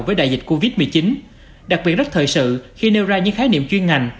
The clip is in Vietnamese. với đại dịch covid một mươi chín đặc biệt rất thời sự khi nêu ra những khái niệm chuyên ngành